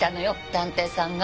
探偵さんが。